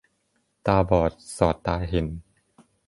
ตาบอดสอดตาเห็น